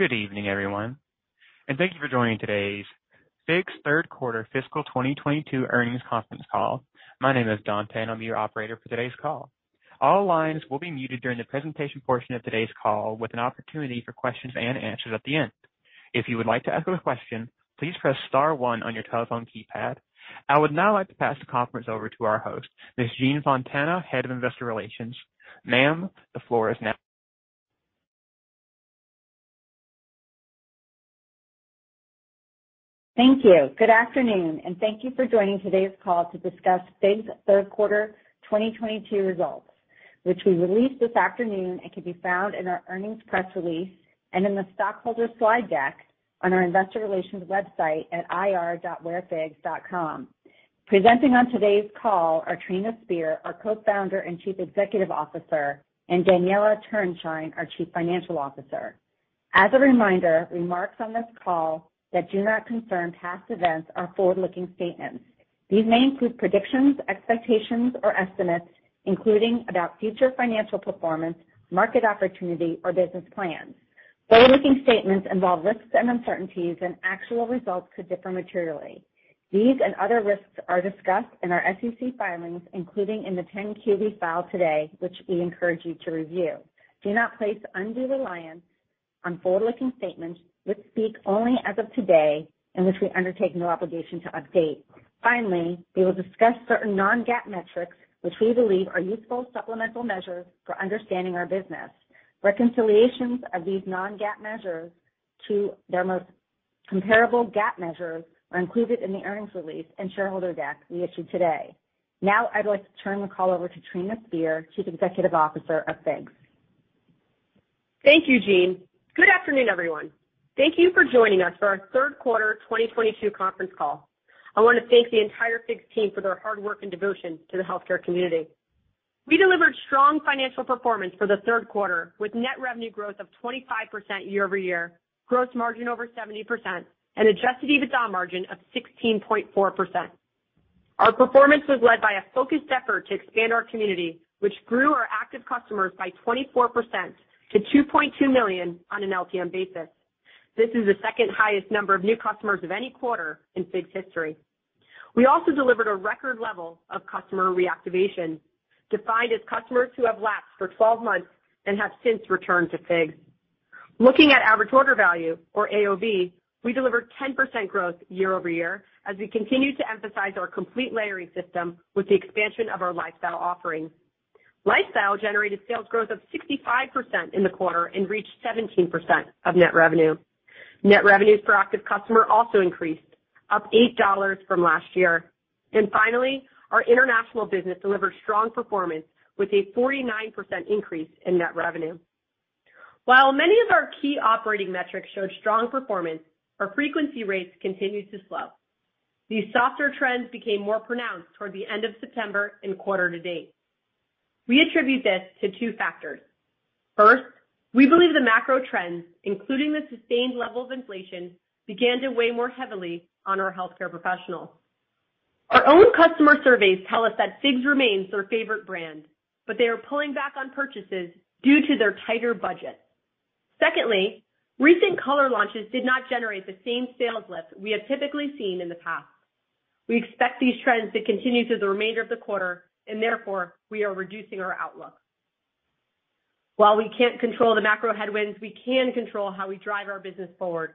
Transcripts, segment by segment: Good evening, everyone, and thank you for joining today's FIGS third quarter fiscal 2022 earnings conference call. My name is Dante, and I'll be your operator for today's call. All lines will be muted during the presentation portion of today's call with an opportunity for questions and answers at the end. If you would like to ask a question, please press star one on your telephone keypad. I would now like to pass the conference over to our host, Ms. Jean Fontana, Head of Investor Relations. Ma'am, the floor is now. Thank you. Good afternoon, and thank you for joining today's call to discuss FIGS third quarter 2022 results, which we released this afternoon and can be found in our earnings press release and in the stockholder slide deck on our investor relations website at ir.wearfigs.com. Presenting on today's call are Trina Spear, our Co-Founder and Chief Executive Officer, and Daniella Turenshine, our Chief Financial Officer. As a reminder, remarks on this call that do not concern past events are forward-looking statements. These may include predictions, expectations, or estimates, including about future financial performance, market opportunity, or business plans. Forward-looking statements involve risks and uncertainties, and actual results could differ materially. These and other risks are discussed in our SEC filings, including in the 10-Q filed today, which we encourage you to review. Do not place undue reliance on forward-looking statements, which speak only as of today and which we undertake no obligation to update. Finally, we will discuss certain non-GAAP metrics, which we believe are useful supplemental measures for understanding our business. Reconciliations of these non-GAAP measures to their most comparable GAAP measures are included in the earnings release and shareholder deck we issued today. Now I'd like to turn the call over to Trina Spear, Chief Executive Officer of FIGS. Thank you, Jean. Good afternoon, everyone. Thank you for joining us for our third quarter 2022 conference call. I wanna thank the entire FIGS team for their hard work and devotion to the healthcare community. We delivered strong financial performance for the third quarter, with net revenue growth of 25% year-over-year, gross margin over 70%, and adjusted EBITDA margin of 16.4%. Our performance was led by a focused effort to expand our community, which grew our active customers by 24% to 2.2 million on an LTM basis. This is the second highest number of new customers of any quarter in FIGS' history. We also delivered a record level of customer reactivation, defined as customers who have lapsed for 12 months and have since returned to FIGS. Looking at average order value, or AOV, we delivered 10% growth year-over-year as we continued to emphasize our complete layering system with the expansion of our lifestyle offerings. Lifestyle generated sales growth of 65% in the quarter and reached 17% of net revenue. Net revenues per active customer also increased, up $8 from last year. Finally, our international business delivered strong performance with a 49% increase in net revenue. While many of our key operating metrics showed strong performance, our frequency rates continued to slow. These softer trends became more pronounced toward the end of September and quarter to date. We attribute this to two factors. First, we believe the macro trends, including the sustained level of inflation, began to weigh more heavily on our healthcare professionals. Our own customer surveys tell us that FIGS remains their favorite brand, but they are pulling back on purchases due to their tighter budget. Secondly, recent color launches did not generate the same sales lift we have typically seen in the past. We expect these trends to continue through the remainder of the quarter, and therefore, we are reducing our outlook. While we can't control the macro headwinds, we can control how we drive our business forward.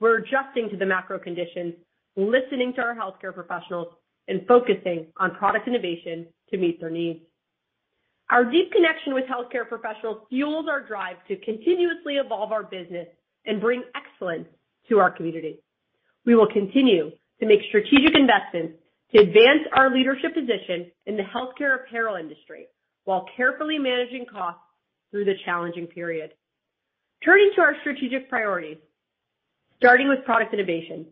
We're adjusting to the macro conditions, listening to our healthcare professionals, and focusing on product innovation to meet their needs. Our deep connection with healthcare professionals fuels our drive to continuously evolve our business and bring excellence to our community. We will continue to make strategic investments to advance our leadership position in the healthcare apparel industry while carefully managing costs through the challenging period. Turning to our strategic priorities, starting with product innovation.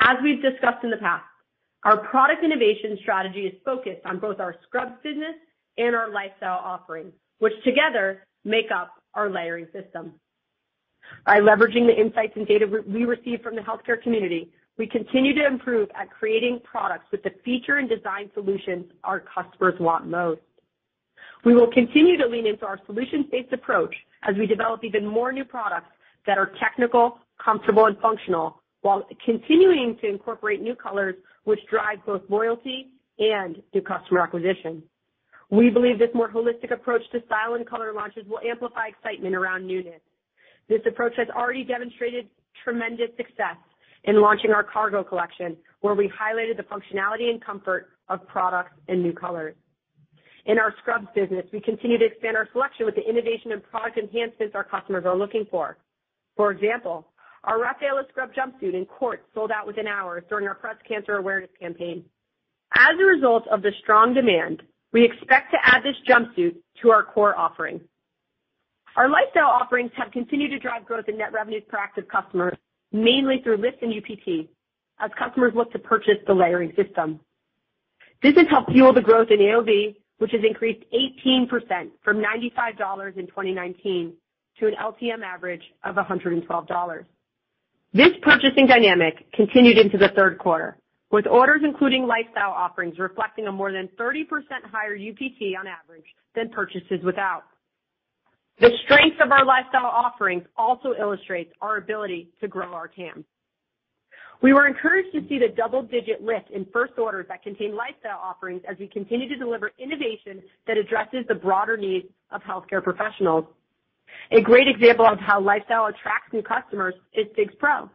As we've discussed in the past, our product innovation strategy is focused on both our scrubs business and our lifestyle offerings, which together make up our layering system. By leveraging the insights and data we receive from the healthcare community, we continue to improve at creating products with the feature and design solutions our customers want most. We will continue to lean into our solutions-based approach as we develop even more new products that are technical, comfortable, and functional while continuing to incorporate new colors which drive both loyalty and new customer acquisition. We believe this more holistic approach to style and color launches will amplify excitement around newness. This approach has already demonstrated tremendous success in launching our cargo collection, where we highlighted the functionality and comfort of products in new colors. In our scrubs business, we continue to expand our selection with the innovation and product enhancements our customers are looking for. For example, our Rafaela scrub jumpsuit in quartz sold out within hours during our breast cancer awareness campaign. As a result of the strong demand, we expect to add this jumpsuit to our core offering. Our lifestyle offerings have continued to drive growth in net revenues per active customer, mainly through lift in UPT, as customers look to purchase the layering system. This has helped fuel the growth in AOV, which has increased 18% from $95 in 2019 to an LTM average of $112. This purchasing dynamic continued into the third quarter, with orders including lifestyle offerings reflecting a more than 30% higher UPT on average than purchases without. The strength of our lifestyle offerings also illustrates our ability to grow our TAM. We were encouraged to see the double-digit lift in first orders that contain lifestyle offerings as we continue to deliver innovation that addresses the broader needs of healthcare professionals. A great example of how lifestyle attracts new customers is FIGSPRO.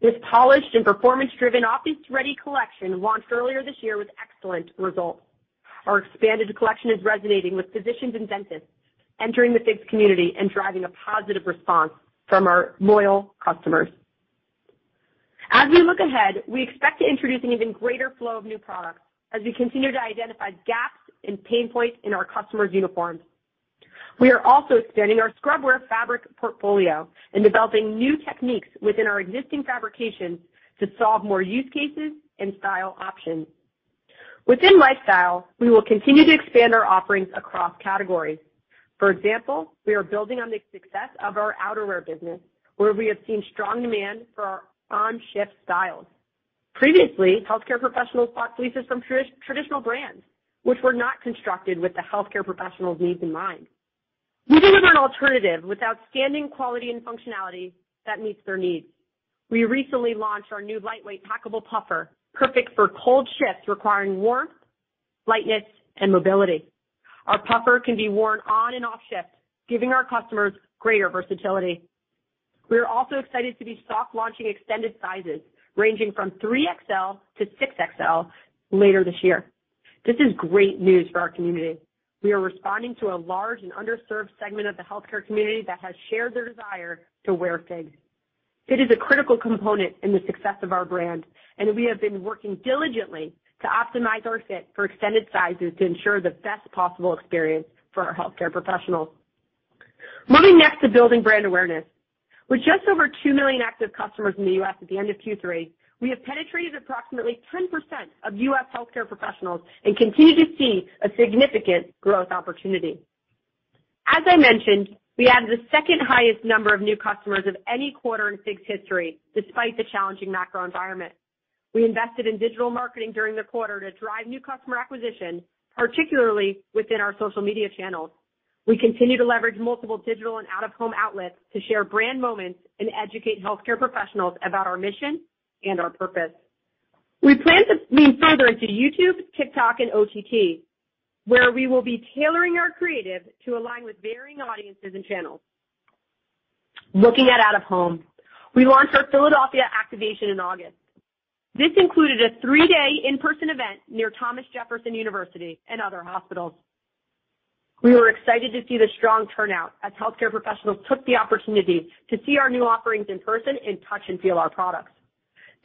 This polished and performance-driven office-ready collection launched earlier this year with excellent results. Our expanded collection is resonating with physicians and dentists, entering the FIGS community and driving a positive response from our loyal customers. As we look ahead, we expect to introduce an even greater flow of new products as we continue to identify gaps and pain points in our customers' uniforms. We are also expanding our scrubwear fabric portfolio and developing new techniques within our existing fabrications to solve more use cases and style options. Within lifestyle, we will continue to expand our offerings across categories. For example, we are building on the success of our outerwear business, where we have seen strong demand for our on-shift styles. Previously, healthcare professionals bought fleeces from traditional brands, which were not constructed with the healthcare professional's needs in mind. We deliver an alternative with outstanding quality and functionality that meets their needs. We recently launched our new lightweight packable puffer, perfect for cold shifts requiring warmth, lightness, and mobility. Our puffer can be worn on and off shift, giving our customers greater versatility. We are also excited to be soft launching extended sizes, ranging from 3XL to 6XL later this year. This is great news for our community. We are responding to a large and underserved segment of the healthcare community that has shared their desire to wear FIGS. Fit is a critical component in the success of our brand, and we have been working diligently to optimize our fit for extended sizes to ensure the best possible experience for our healthcare professionals. Moving next to building brand awareness. With just over 2 million active customers in the U.S. at the end of Q3, we have penetrated approximately 10% of U.S. healthcare professionals and continue to see a significant growth opportunity. As I mentioned, we added the second highest number of new customers of any quarter in FIGS' history, despite the challenging macro environment. We invested in digital marketing during the quarter to drive new customer acquisition, particularly within our social media channels. We continue to leverage multiple digital and out-of-home outlets to share brand moments and educate healthcare professionals about our mission and our purpose. We plan to lean further into YouTube, TikTok, and OTT, where we will be tailoring our creative to align with varying audiences and channels. Looking at out-of-home, we launched our Philadelphia activation in August. This included a three-day in-person event near Thomas Jefferson University and other hospitals. We were excited to see the strong turnout as healthcare professionals took the opportunity to see our new offerings in person and touch and feel our products.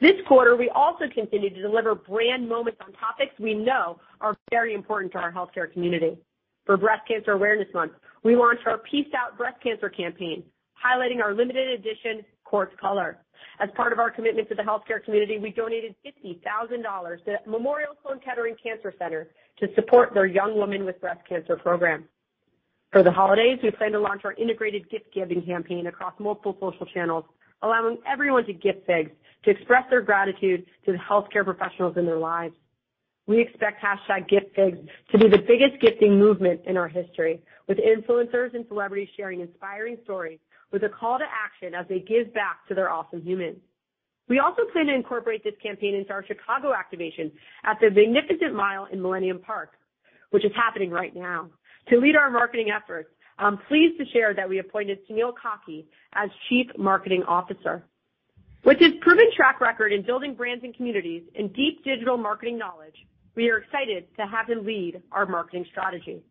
This quarter, we also continued to deliver brand moments on topics we know are very important to our healthcare community. For Breast Cancer Awareness Month, we launched our Peace Out breast cancer campaign, highlighting our limited edition quartz color. As part of our commitment to the healthcare community, we donated $50,000 to Memorial Sloan Kettering Cancer Center to support their Young Woman with Breast Cancer program. For the holidays, we plan to launch our integrated gift-giving campaign across multiple social channels, allowing everyone to gift FIGS to express their gratitude to the healthcare professionals in their lives. We expect #GiftFIGS to be the biggest gifting movement in our history, with influencers and celebrities sharing inspiring stories with a call to action as they give back to their awesome humans. We also plan to incorporate this campaign into our Chicago activation at the Magnificent Mile in Millennium Park, which is happening right now. To lead our marketing efforts, I'm pleased to share that we appointed Sunil Kaki as Chief Marketing Officer. With his proven track record in building brands and communities and deep digital marketing knowledge, we are excited to have him lead our marketing strategy.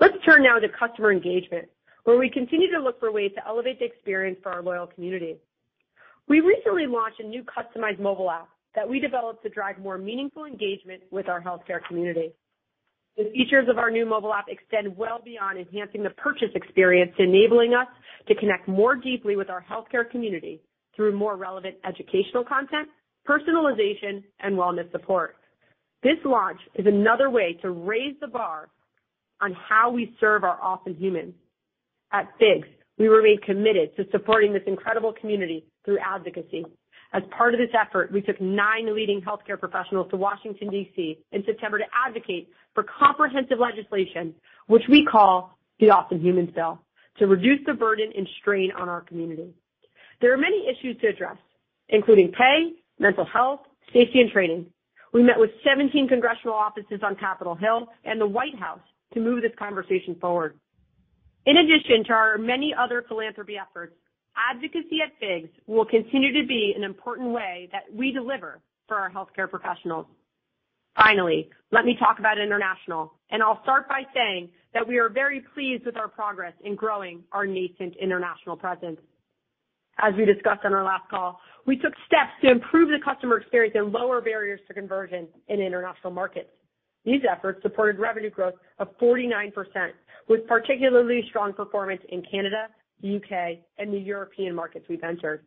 Let's turn now to customer engagement, where we continue to look for ways to elevate the experience for our loyal community. We recently launched a new customized mobile app that we developed to drive more meaningful engagement with our healthcare community. The features of our new mobile app extend well beyond enhancing the purchase experience, enabling us to connect more deeply with our healthcare community through more relevant educational content, personalization, and wellness support. This launch is another way to raise the bar on how we serve our awesome humans. At FIGS, we remain committed to supporting this incredible community through advocacy. As part of this effort, we took nine leading healthcare professionals to Washington, D.C., in September to advocate for comprehensive legislation, which we call the Awesome Humans Bill, to reduce the burden and strain on our community. There are many issues to address, including pay, mental health, safety, and training. We met with 17 congressional offices on Capitol Hill and the White House to move this conversation forward. In addition to our many other philanthropy efforts, advocacy at FIGS will continue to be an important way that we deliver for our healthcare professionals. Finally, let me talk about international, and I'll start by saying that we are very pleased with our progress in growing our nascent international presence. As we discussed on our last call, we took steps to improve the customer experience and lower barriers to conversion in international markets. These efforts supported revenue growth of 49%, with particularly strong performance in Canada, U.K., and the European markets we've entered.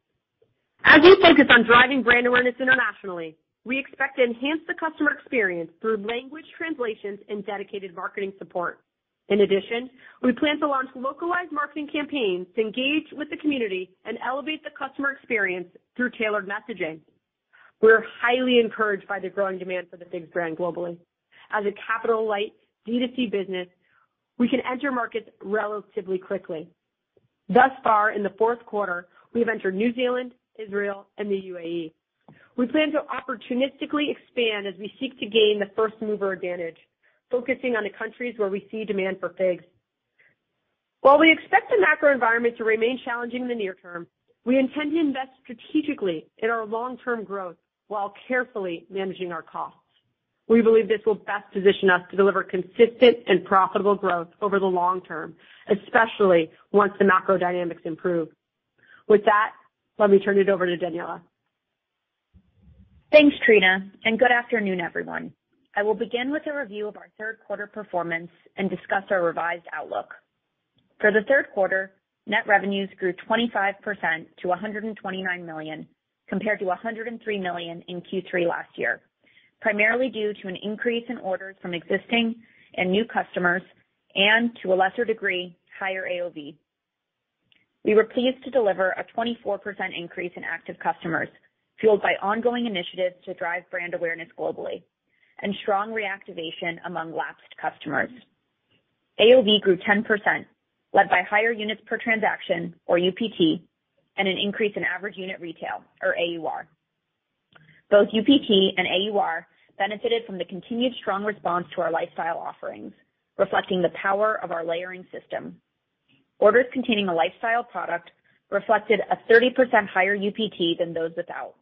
As we focus on driving brand awareness internationally, we expect to enhance the customer experience through language translations and dedicated marketing support. In addition, we plan to launch localized marketing campaigns to engage with the community and elevate the customer experience through tailored messaging. We're highly encouraged by the growing demand for the FIGS brand globally. As a capital-light D2C business, we can enter markets relatively quickly. Thus far, in the fourth quarter, we have entered New Zealand, Israel, and the UAE. We plan to opportunistically expand as we seek to gain the first mover advantage, focusing on the countries where we see demand for FIGS. While we expect the macro environment to remain challenging in the near term, we intend to invest strategically in our long-term growth while carefully managing our costs. We believe this will best position us to deliver consistent and profitable growth over the long term, especially once the macro dynamics improve. With that, let me turn it over to Daniella. Thanks, Trina, and good afternoon, everyone. I will begin with a review of our third quarter performance and discuss our revised outlook. For the third quarter, net revenues grew 25% to $129 million, compared to $103 million in Q3 last year, primarily due to an increase in orders from existing and new customers and, to a lesser degree, higher AOV. We were pleased to deliver a 24% increase in active customers, fueled by ongoing initiatives to drive brand awareness globally and strong reactivation among lapsed customers. AOV grew 10%, led by higher units per transaction, or UPT, and an increase in average unit retail, or AUR. Both UPT and AUR benefited from the continued strong response to our lifestyle offerings, reflecting the power of our layering system. Orders containing a lifestyle product reflected a 30% higher UPT than those without.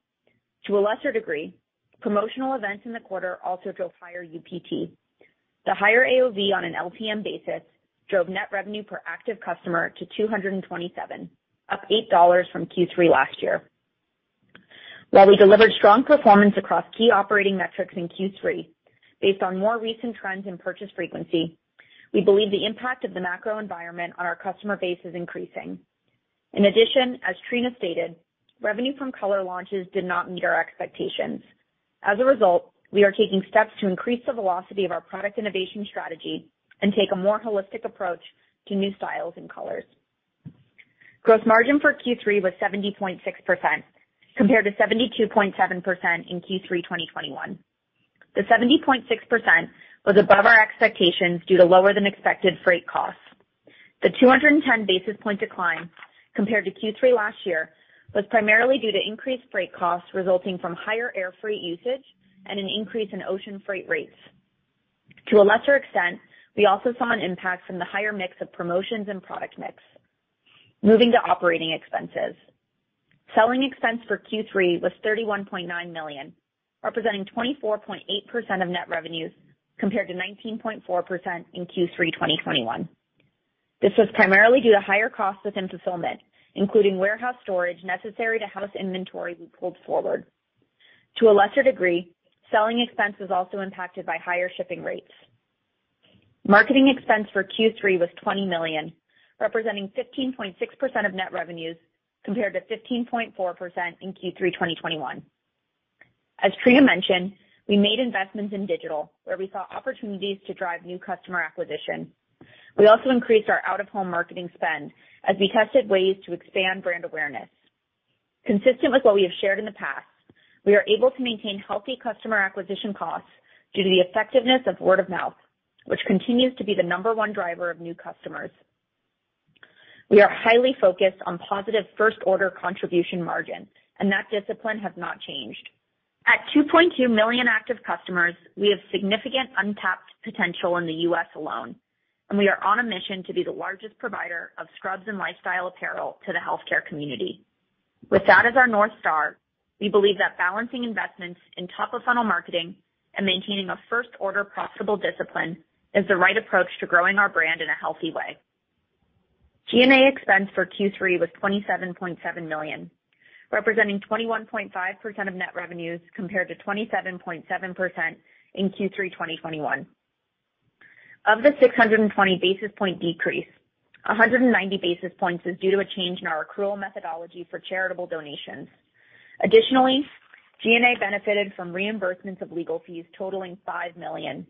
To a lesser degree, promotional events in the quarter also drove higher UPT. The higher AOV on an LTM basis drove net revenue per active customer to $227, up $8 from Q3 last year. While we delivered strong performance across key operating metrics in Q3, based on more recent trends in purchase frequency, we believe the impact of the macro environment on our customer base is increasing. In addition, as Trina stated, revenue from color launches did not meet our expectations. As a result, we are taking steps to increase the velocity of our product innovation strategy and take a more holistic approach to new styles and colors. Gross margin for Q3 was 70.6%, compared to 72.7% in Q3 2021. The 70.6% was above our expectations due to lower than expected freight costs. The 210 basis point decline compared to Q3 last year was primarily due to increased freight costs resulting from higher air freight usage and an increase in ocean freight rates. To a lesser extent, we also saw an impact from the higher mix of promotions and product mix. Moving to operating expenses. Selling expense for Q3 was $31.9 million, representing 24.8% of net revenues, compared to 19.4% in Q3 2021. This was primarily due to higher costs within fulfillment, including warehouse storage necessary to house inventory we pulled forward. To a lesser degree, selling expense was also impacted by higher shipping rates. Marketing expense for Q3 was $20 million, representing 15.6% of net revenues, compared to 15.4% in Q3 2021. As Trina mentioned, we made investments in digital, where we saw opportunities to drive new customer acquisition. We also increased our out-of-home marketing spend as we tested ways to expand brand awareness. Consistent with what we have shared in the past, we are able to maintain healthy customer acquisition costs due to the effectiveness of word of mouth, which continues to be the number one driver of new customers. We are highly focused on positive first order contribution margin, and that discipline has not changed. At 2.2 million active customers, we have significant untapped potential in the U.S. alone, and we are on a mission to be the largest provider of scrubs and lifestyle apparel to the healthcare community. With that as our North Star, we believe that balancing investments in top of funnel marketing and maintaining a first order profitable discipline is the right approach to growing our brand in a healthy way. G&A expense for Q3 was $27.7 million, representing 21.5% of net revenues, compared to 27.7% in Q3 2021. Of the 620 basis point decrease, 190 basis points is due to a change in our accrual methodology for charitable donations. Additionally, G&A benefited from reimbursements of legal fees totaling $5 million.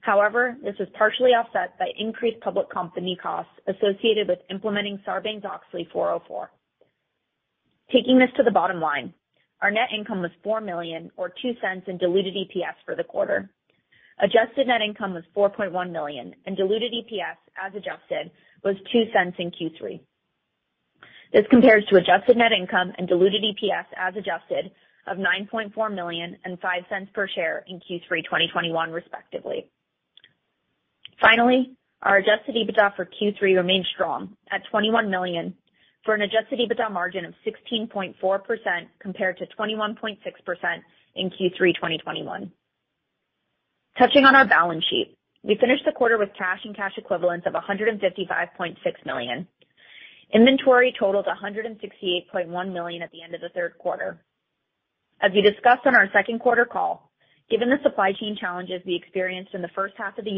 However, this was partially offset by increased public company costs associated with implementing Sarbanes-Oxley Section 404. Taking this to the bottom line, our net income was $4 million or $0.02 in diluted EPS for the quarter. Adjusted net income was $4.1 million, and diluted EPS, as adjusted, was $0.02 in Q3. This compares to adjusted net income and diluted EPS, as adjusted, of $9.4 million and $0.05 per share in Q3 2021, respectively. Finally, our adjusted EBITDA for Q3 remained strong at $21 million, for an adjusted EBITDA margin of 16.4% compared to 21.6% in Q3 2021. Touching on our balance sheet. We finished the quarter with cash and cash equivalents of $155.6 million. Inventory totaled $168.1 million at the end of the third quarter. As we discussed on our second quarter call, given the supply chain challenges we experienced in the first half of the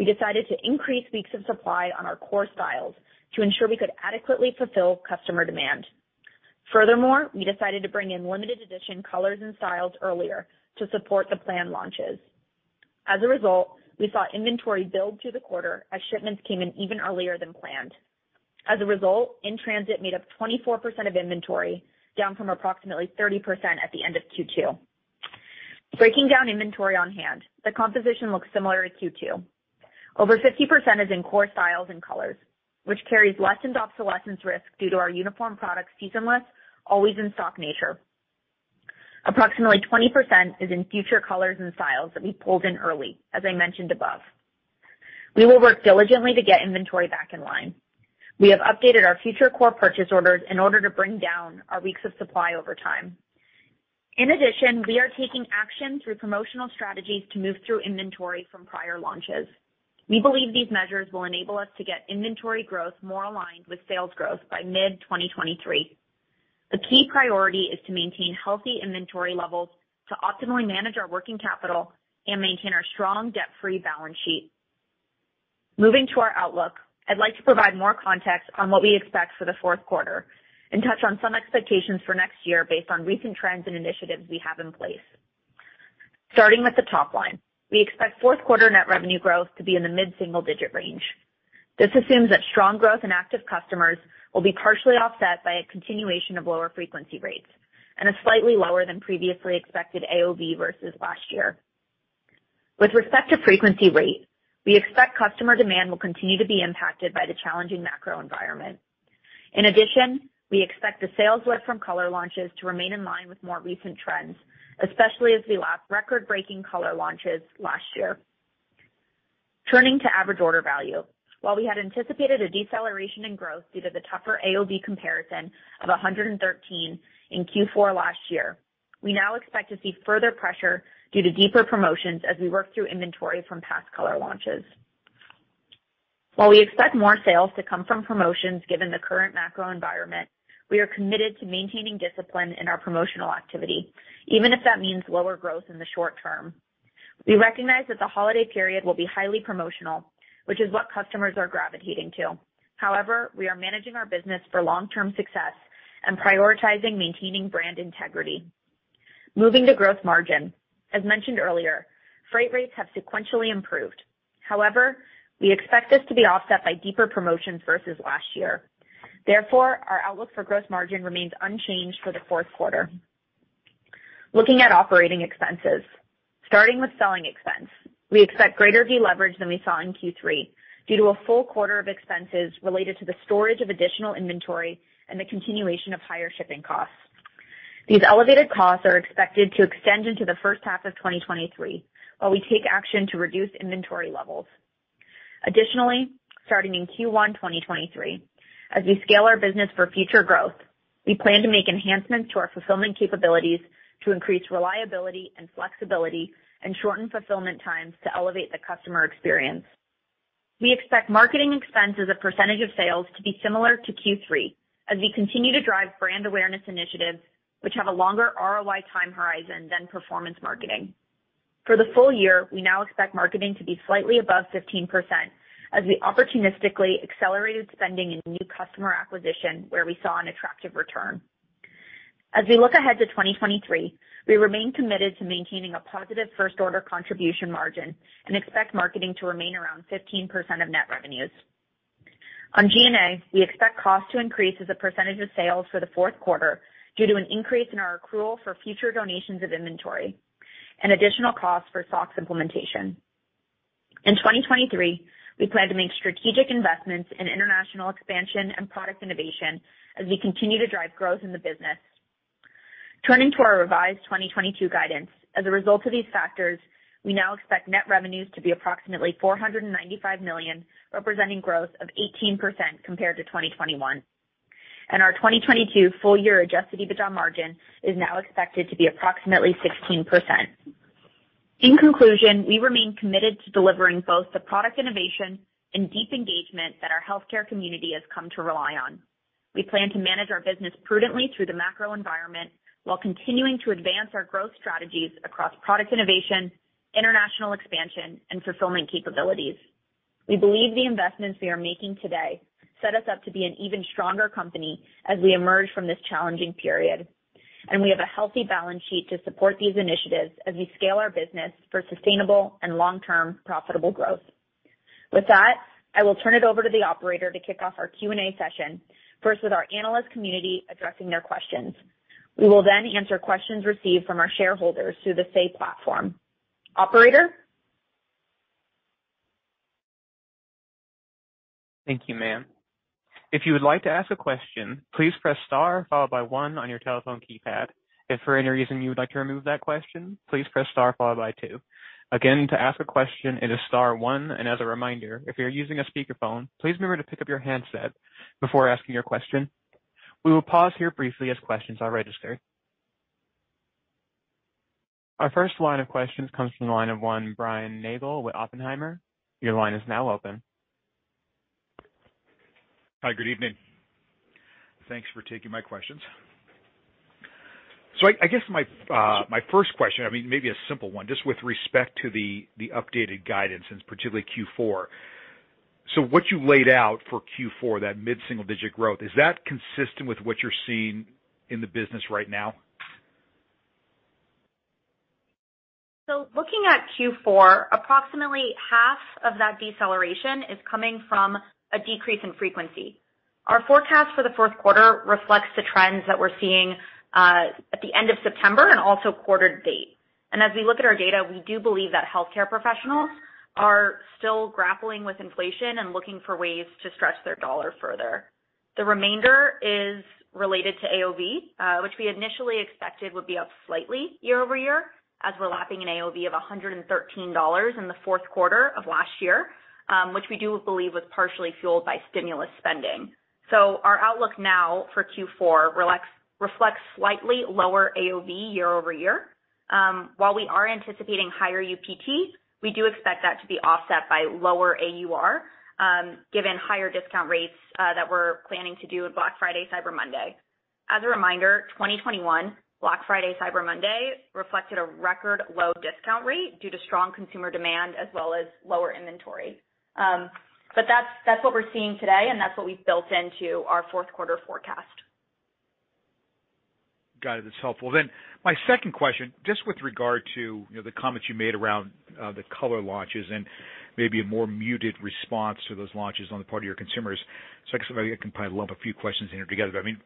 year, we decided to increase weeks of supply on our core styles to ensure we could adequately fulfill customer demand. Furthermore, we decided to bring in limited edition colors and styles earlier to support the planned launches. As a result, we saw inventory build through the quarter as shipments came in even earlier than planned. As a result, in-transit made up 24% of inventory, down from approximately 30% at the end of Q2. Breaking down inventory on hand, the composition looks similar to Q2. Over 50% is in core styles and colors, which carries less obsolescence risk due to our uniform product seasonless, always in stock nature. Approximately 20% is in future colors and styles that we pulled in early, as I mentioned above. We will work diligently to get inventory back in line. We have updated our future core purchase orders in order to bring down our weeks of supply over time. In addition, we are taking action through promotional strategies to move through inventory from prior launches. We believe these measures will enable us to get inventory growth more aligned with sales growth by mid-2023. The key priority is to maintain healthy inventory levels to optimally manage our working capital and maintain our strong debt-free balance sheet. Moving to our outlook, I'd like to provide more context on what we expect for the fourth quarter and touch on some expectations for next year based on recent trends and initiatives we have in place. Starting with the top line, we expect fourth quarter net revenue growth to be in the mid-single-digit range. This assumes that strong growth in active customers will be partially offset by a continuation of lower frequency rates, and a slightly lower than previously expected AOV versus last year. With respect to frequency rate, we expect customer demand will continue to be impacted by the challenging macro environment. In addition, we expect the sales lift from color launches to remain in line with more recent trends, especially as we lack record-breaking color launches last year. Turning to average order value. While we had anticipated a deceleration in growth due to the tougher AOV comparison of $113 in Q4 last year, we now expect to see further pressure due to deeper promotions as we work through inventory from past color launches. While we expect more sales to come from promotions given the current macro environment, we are committed to maintaining discipline in our promotional activity, even if that means lower growth in the short term. We recognize that the holiday period will be highly promotional, which is what customers are gravitating to. However, we are managing our business for long-term success and prioritizing maintaining brand integrity. Moving to gross margin. As mentioned earlier, freight rates have sequentially improved. However, we expect this to be offset by deeper promotions versus last year. Therefore, our outlook for gross margin remains unchanged for the fourth quarter. Looking at operating expenses. Starting with selling expense, we expect greater deleverage than we saw in Q3 due to a full quarter of expenses related to the storage of additional inventory and the continuation of higher shipping costs. These elevated costs are expected to extend into the first half of 2023 while we take action to reduce inventory levels. Additionally, starting in Q1 2023, as we scale our business for future growth, we plan to make enhancements to our fulfillment capabilities to increase reliability and flexibility and shorten fulfillment times to elevate the customer experience. We expect marketing expense as a percentage of sales to be similar to Q3 as we continue to drive brand awareness initiatives which have a longer ROI time horizon than performance marketing. For the full year, we now expect marketing to be slightly above 15% as we opportunistically accelerated spending in new customer acquisition where we saw an attractive return. As we look ahead to 2023, we remain committed to maintaining a positive first order contribution margin and expect marketing to remain around 15% of net revenues. On G&A, we expect costs to increase as a percentage of sales for the fourth quarter due to an increase in our accrual for future donations of inventory and additional costs for SOX implementation. In 2023, we plan to make strategic investments in international expansion and product innovation as we continue to drive growth in the business. Turning to our revised 2022 guidance. As a result of these factors, we now expect net revenues to be approximately $495 million, representing growth of 18% compared to 2021. Our 2022 full year adjusted EBITDA margin is now expected to be approximately 16%. In conclusion, we remain committed to delivering both the product innovation and deep engagement that our healthcare community has come to rely on. We plan to manage our business prudently through the macro environment while continuing to advance our growth strategies across product innovation, international expansion, and fulfillment capabilities. We believe the investments we are making today set us up to be an even stronger company as we emerge from this challenging period, and we have a healthy balance sheet to support these initiatives as we scale our business for sustainable and long-term profitable growth. With that, I will turn it over to the operator to kick off our Q&A session, first with our analyst community addressing their questions. We will then answer questions received from our shareholders through the Say platform. Operator? Thank you, ma'am. If you would like to ask a question, please press star followed by one on your telephone keypad. If for any reason you would like to remove that question, please press star followed by two. Again, to ask a question, it is star one. As a reminder, if you're using a speakerphone, please remember to pick up your handset before asking your question. We will pause here briefly as questions are registered. Our first line of questions comes from the line of Brian Nagel with Oppenheimer. Your line is now open. Hi, good evening. Thanks for taking my questions. I guess my first question, I mean, maybe a simple one, just with respect to the updated guidance, and particularly Q4. What you laid out for Q4, that mid-single-digit growth, is that consistent with what you're seeing in the business right now? Looking at Q4, approximately half of that deceleration is coming from a decrease in frequency. Our forecast for the fourth quarter reflects the trends that we're seeing at the end of September and also quarter to date. As we look at our data, we do believe that healthcare professionals are still grappling with inflation and looking for ways to stretch their dollar further. The remainder is related to AOV, which we initially expected would be up slightly year-over-year, as we're lapping an AOV of $113 in the fourth quarter of last year, which we do believe was partially fueled by stimulus spending. Our outlook now for Q4 reflects slightly lower AOV year-over-year. While we are anticipating higher UPT, we do expect that to be offset by lower AUR, given higher discount rates that we're planning to do in Black Friday, Cyber Monday. As a reminder, 2021 Black Friday, Cyber Monday reflected a record low discount rate due to strong consumer demand as well as lower inventory. That's what we're seeing today, and that's what we've built into our fourth quarter forecast. Got it. That's helpful. My second question, just with regard to, you know, the comments you made around the color launches and maybe a more muted response to those launches on the part of your consumers. I guess I can probably lump a few questions in here together. I mean,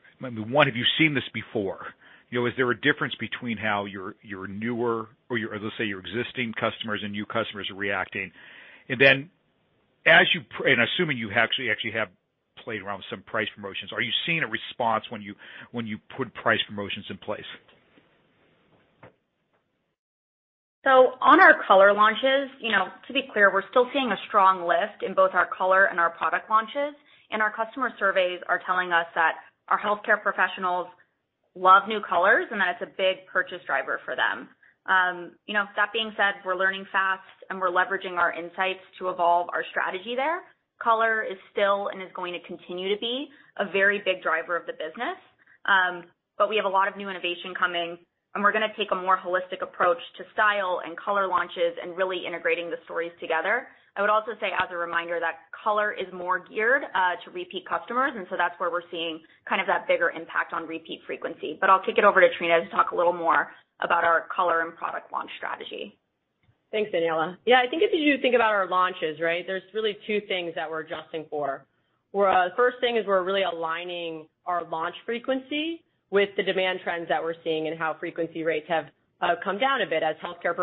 one, have you seen this before? You know, is there a difference between how your newer or, let's say, your existing customers and new customers are reacting? Assuming you actually have played around with some price promotions, are you seeing a response when you put price promotions in place? On our color launches, you know, to be clear, we're still seeing a strong lift in both our color and our product launches, and our customer surveys are telling us that our healthcare professionals love new colors, and that it's a big purchase driver for them. You know, that being said, we're learning fast, and we're leveraging our insights to evolve our strategy there. Color is still, and is going to continue to be, a very big driver of the business. We have a lot of new innovation coming, and we're gonna take a more holistic approach to style and color launches and really integrating the stories together. I would also say, as a reminder, that color is more geared to repeat customers, and so that's where we're seeing kind of that bigger impact on repeat frequency. I'll kick it over to Trina to talk a little more about our color and product launch strategy. Thanks, Daniella. Yeah, I think if you think about our launches, right, there's really two things that we're adjusting for. We're first thing is we're really aligning our launch frequency with the demand trends that we're seeing and how frequency rates have come down a bit as healthcare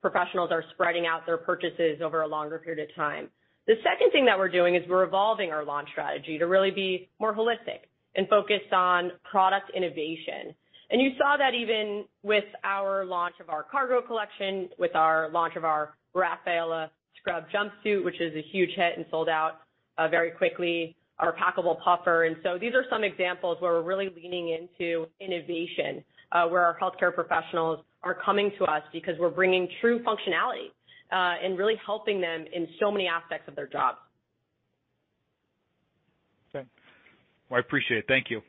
professionals are spreading out their purchases over a longer period of time. The second thing that we're doing is we're evolving our launch strategy to really be more holistic and focused on product innovation. You saw that even with our launch of our cargo collection, with our launch of our Rafaela scrub jumpsuit, which is a huge hit and sold out very quickly, our packable puffer. These are some examples where we're really leaning into innovation, where our healthcare professionals are coming to us because we're bringing true functionality, and really helping them in so many aspects of their jobs. Okay. Well, I appreciate it. Thank you.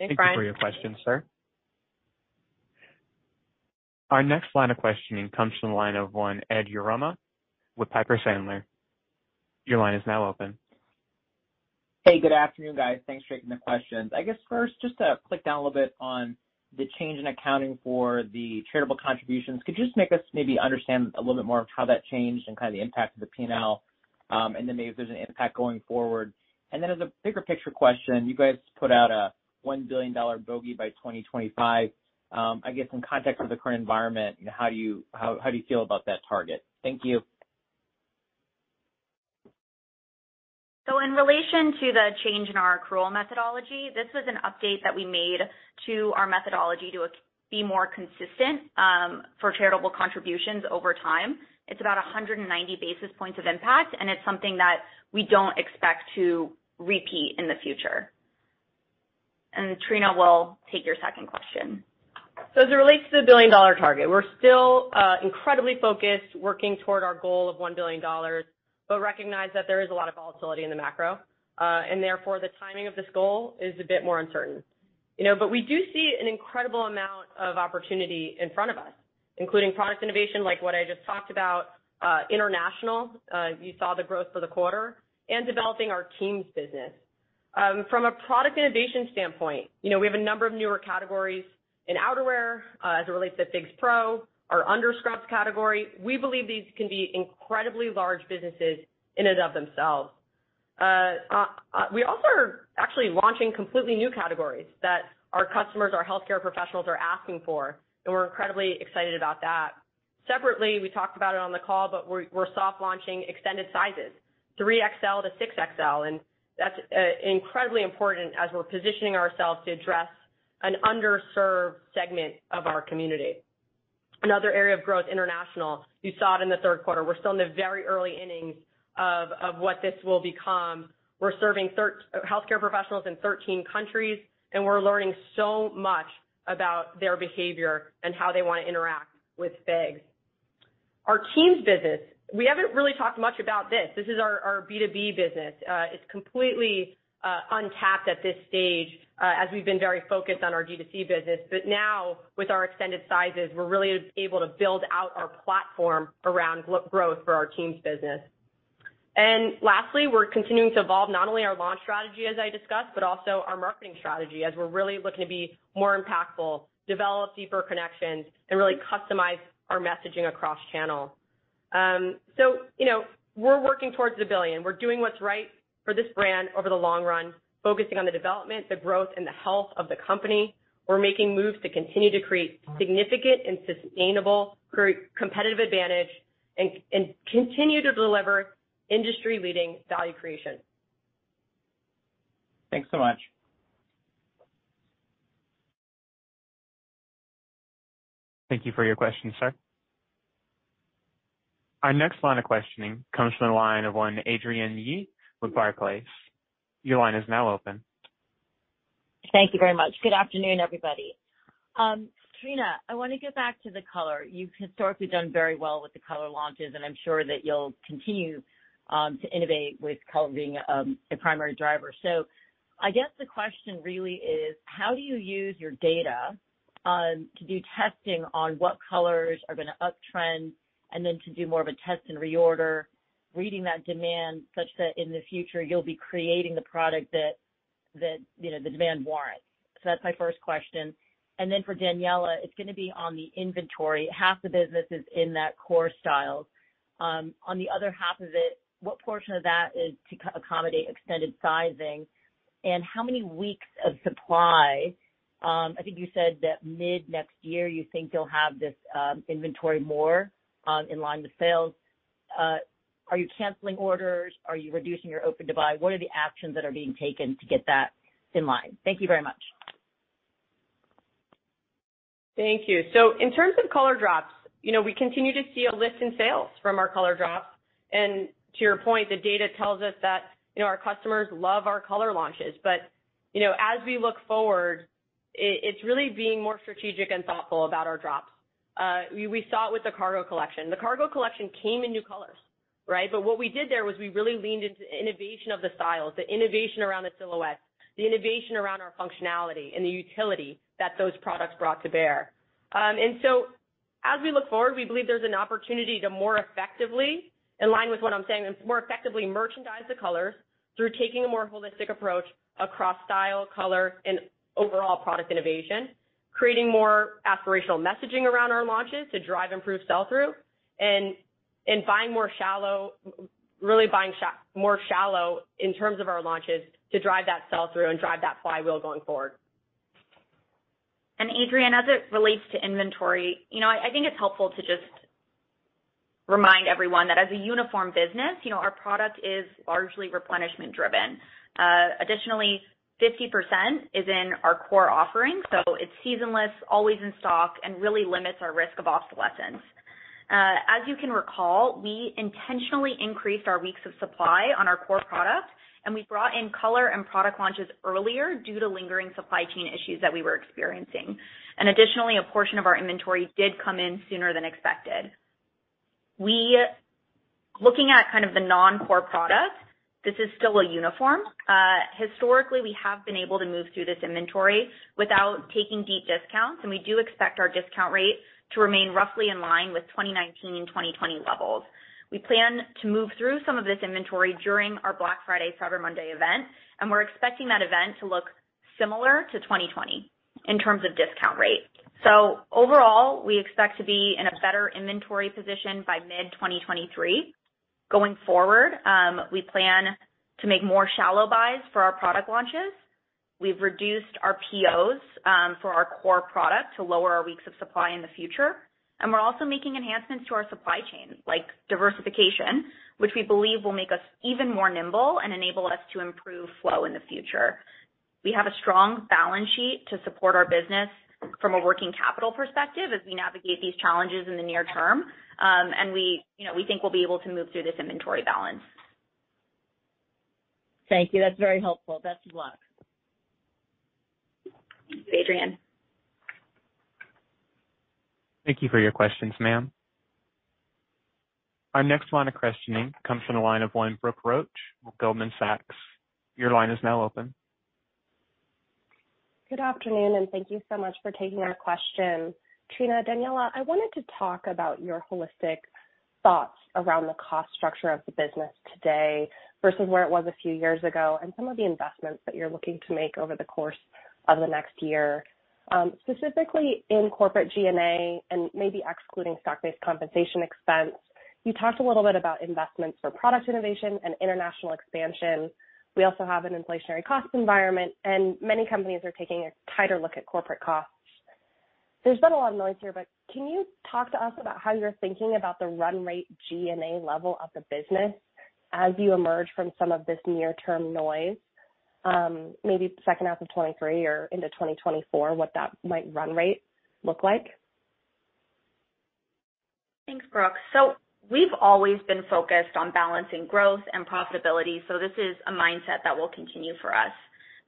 Thanks, Brian. Thank you for your question, sir. Our next line of questioning comes from the line of one Edward Yruma with Piper Sandler. Your line is now open. Hey, good afternoon, guys. Thanks for taking the questions. I guess first, just to drill down a little bit on the change in accounting for the charitable contributions, could you just make us maybe understand a little bit more of how that changed and kind of the impact of the P&L, and then maybe if there's an impact going forward? As a bigger picture question, you guys put out a $1 billion bogey by 2025. I guess in context of the current environment, how do you feel about that target? Thank you. In relation to the change in our accrual methodology, this was an update that we made to our methodology to be more consistent for charitable contributions over time. It's about 190 basis points of impact, and it's something that we don't expect to repeat in the future. Trina will take your second question. As it relates to the billion-dollar target, we're still incredibly focused, working toward our goal of $1 billion, but recognize that there is a lot of volatility in the macro, and therefore, the timing of this goal is a bit more uncertain. You know, but we do see an incredible amount of opportunity in front of us, including product innovation, like what I just talked about, international, you saw the growth for the quarter, and developing our TEAMS business. From a product innovation standpoint, you know, we have a number of newer categories in outerwear, as it relates to FIGS Pro, our underscrubs category. We believe these can be incredibly large businesses in and of themselves. We also are actually launching completely new categories that our customers, our healthcare professionals, are asking for, and we're incredibly excited about that. Separately, we talked about it on the call, but we're soft launching extended sizes, 3XL to 6XL, and that's incredibly important as we're positioning ourselves to address an underserved segment of our community. Another area of growth, international. You saw it in the third quarter. We're still in the very early innings of what this will become. We're serving healthcare professionals in 13 countries, and we're learning so much about their behavior and how they wanna interact with FIGS. Our TEAMS business, we haven't really talked much about this. This is our B2B business. It's completely untapped at this stage, as we've been very focused on our D2C business. But now with our extended sizes, we're really able to build out our platform around growth for our TEAMS business. Lastly, we're continuing to evolve not only our launch strategy as I discussed, but also our marketing strategy as we're really looking to be more impactful, develop deeper connections, and really customize our messaging across channel. So, you know, we're working towards $1 billion. We're doing what's right for this brand over the long run, focusing on the development, the growth and the health of the company. We're making moves to continue to create significant and sustainable competitive advantage and continue to deliver industry-leading value creation. Thanks so much. Thank you for your question, sir. Our next line of questioning comes from the line of Adrienne Yih with Barclays. Your line is now open. Thank you very much. Good afternoon, everybody. Trina, I wanna get back to the color. You've historically done very well with the color launches, and I'm sure that you'll continue to innovate with color being a primary driver. I guess the question really is: how do you use your data to do testing on what colors are gonna uptrend and then to do more of a test and reorder, reading that demand such that in the future you'll be creating the product that, you know, the demand warrants? That's my first question. Then for Daniella, it's gonna be on the inventory. Half the business is in that core styles. On the other half of it, what portion of that is to accommodate extended sizing? And how many weeks of supply I think you said that mid next year, you think you'll have this inventory more in line with sales. Are you canceling orders? Are you reducing your open to buy? What are the actions that are being taken to get that in line? Thank you very much. Thank you. In terms of color drops, you know, we continue to see a lift in sales from our color drops. To your point, the data tells us that, you know, our customers love our color launches. As we look forward, it's really being more strategic and thoughtful about our drops. We saw it with the cargo collection. The cargo collection came in new colors, right? What we did there was we really leaned into innovation of the styles, the innovation around the silhouettes, the innovation around our functionality and the utility that those products brought to bear. As we look forward, we believe there's an opportunity to more effectively, in line with what I'm saying, more effectively merchandise the colors through taking a more holistic approach across style, color and overall product innovation, creating more aspirational messaging around our launches to drive improved sell-through and buying more shallow in terms of our launches to drive that sell-through and drive that flywheel going forward. Adrienne Yih, as it relates to inventory, you know, I think it's helpful to just remind everyone that as a uniform business, you know, our product is largely replenishment driven. Additionally, 50% is in our core offering, so it's seasonless, always in stock, and really limits our risk of obsolescence. As you can recall, we intentionally increased our weeks of supply on our core products, and we brought in color and product launches earlier due to lingering supply chain issues that we were experiencing. Additionally, a portion of our inventory did come in sooner than expected. Looking at kind of the non-core products, this is still a uniform. Historically, we have been able to move through this inventory without taking deep discounts, and we do expect our discount rates to remain roughly in line with 2019 and 2020 levels. We plan to move through some of this inventory during our Black Friday, Cyber Monday event, and we're expecting that event to look similar to 2020 in terms of discount rate. Overall, we expect to be in a better inventory position by mid 2023. Going forward, we plan to make more shallow buys for our product launches. We've reduced our POs for our core product to lower our weeks of supply in the future. We're also making enhancements to our supply chain, like diversification, which we believe will make us even more nimble and enable us to improve flow in the future. We have a strong balance sheet to support our business from a working capital perspective as we navigate these challenges in the near term. We, you know, we think we'll be able to move through this inventory balance. Thank you. That's very helpful. Best of luck. Thank you, Adrienne. Thank you for your questions, ma'am. Our next line of questioning comes from the line of Brooke Roach with Goldman Sachs. Your line is now open. Good afternoon, and thank you so much for taking our question. Trina, Daniella, I wanted to talk about your holistic thoughts around the cost structure of the business today versus where it was a few years ago and some of the investments that you're looking to make over the course of the next year. Specifically in corporate G&A and maybe excluding stock-based compensation expense. You talked a little bit about investments for product innovation and international expansion. We also have an inflationary cost environment, and many companies are taking a tighter look at corporate costs. There's been a lot of noise here, but can you talk to us about how you're thinking about the run rate G&A level of the business as you emerge from some of this near term noise, maybe second half of 2023 or into 2024, what that might run rate look like? Thanks, Brooke. We've always been focused on balancing growth and profitability, so this is a mindset that will continue for us.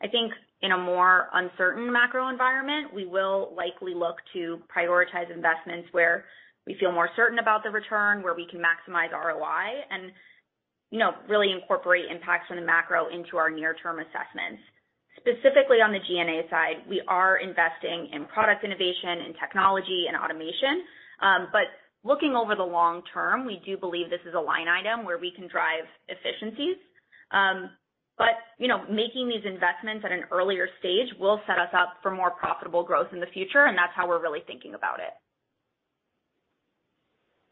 I think in a more uncertain macro environment, we will likely look to prioritize investments where we feel more certain about the return, where we can maximize ROI and, you know, really incorporate impacts from the macro into our near term assessments. Specifically on the G&A side, we are investing in product innovation and technology and automation. Looking over the long term, we do believe this is a line item where we can drive efficiencies. You know, making these investments at an earlier stage will set us up for more profitable growth in the future, and that's how we're really thinking about it.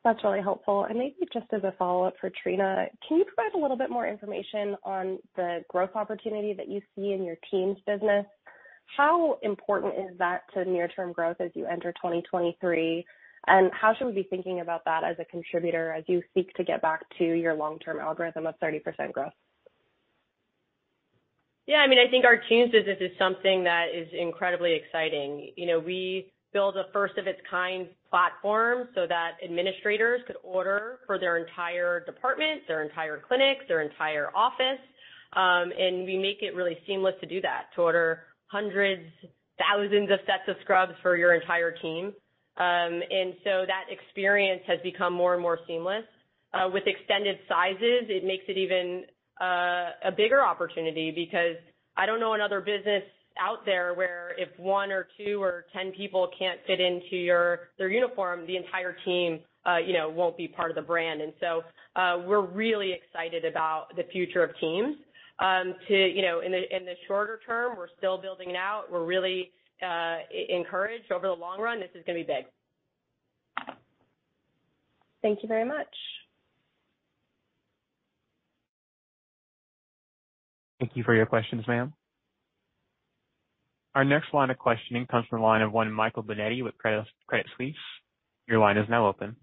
That's really helpful. Maybe just as a follow-up for Trina, can you provide a little bit more information on the growth opportunity that you see in your team's business? How important is that to near term growth as you enter 2023? How should we be thinking about that as a contributor as you seek to get back to your long-term algorithm of 30% growth? Yeah. I mean, I think our teams business is something that is incredibly exciting. You know, we build a first of its kind platform so that administrators could order for their entire department, their entire clinic, their entire office. We make it really seamless to do that, to order hundreds, thousands of sets of scrubs for your entire team. That experience has become more and more seamless. With extended sizes, it makes it even a bigger opportunity because I don't know another business out there where if one or two or 10 people can't fit into their uniform, the entire team, you know, won't be part of the brand. We're really excited about the future of teams. You know, in the shorter term, we're still building it out. We're really, encouraged over the long run. This is gonna be big. Thank you very much. Thank you for your questions, ma'am. Our next line of questioning comes from the line of Michael Binetti with Credit Suisse. Your line is now open.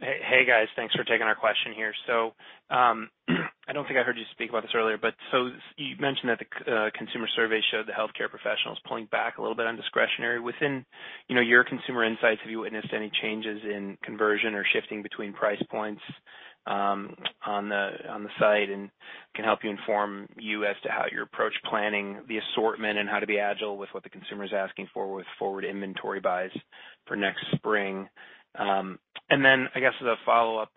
Hey, hey, guys. Thanks for taking our question here. I don't think I heard you speak about this earlier, but you mentioned that the consumer survey showed the healthcare professionals pulling back a little bit on discretionary. Within, you know, your consumer insights, have you witnessed any changes in conversion or shifting between price points on the site and can help inform you as to how you approach planning the assortment and how to be agile with what the consumer is asking for with forward inventory buys for next spring? I guess as a follow-up,